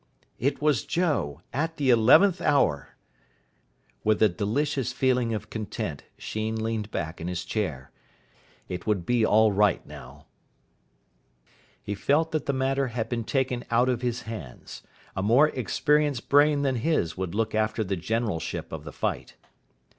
It was Joe at the eleventh hour. With a delicious feeling of content Sheen leaned back in his chair. It would be all right now. He felt that the matter had been taken out of his hands. A more experienced brain than his would look after the generalship of the fight.